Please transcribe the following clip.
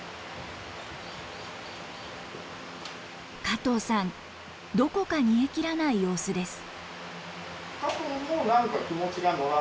加藤さんどこか煮えきらない様子です。